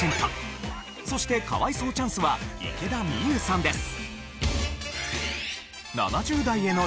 そして可哀想チャンスは池田美優さんです。